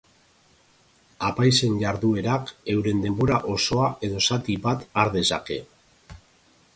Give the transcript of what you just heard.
Apaizen jarduerak euren denbora osoa edo zati bat har dezake.